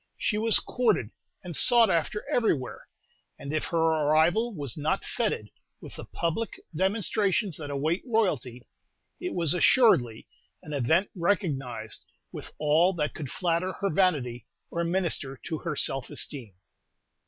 She was courted and sought after everywhere; and if her arrival was not fêted with the public demonstrations that await royalty, it was assuredly an event recognized with all that could flatter her vanity or minister to her self esteem.